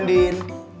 aku mau ke rumah